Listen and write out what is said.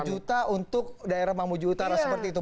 dua juta untuk daerah mamuju utara seperti itu